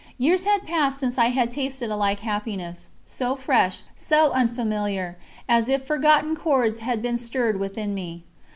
Years had passed since I had tasted a like happiness, so fresh, so unfamiliar, as if forgotten chords had been stirred within me.